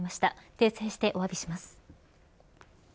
訂正して、お詫びします。